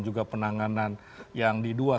juga penanganan yang di dua